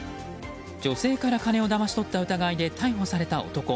女性から金をだましとった疑いで逮捕された男。